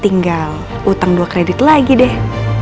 tinggal utang dua kredit lagi deh